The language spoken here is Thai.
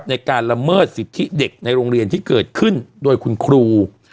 ในการละเมิดสิทธิเด็กในโรงเรียนที่เกิดขึ้นโดยคุณครู